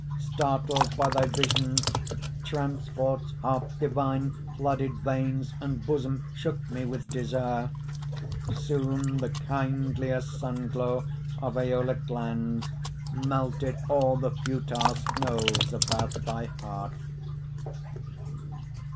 Startled by thy vision, Transports half divine Flooded veins and bosom, Shook me with desire. Soon the kinder sunglow Of Æolic lands Melted all the futile Snows about thy heart.